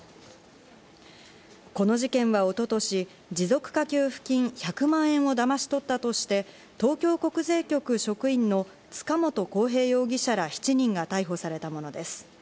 この事件は一昨年、持続化給付金１００万円をだまし取ったとして、東京国税局職員の塚本晃平容疑者ら７人が逮捕されたものです。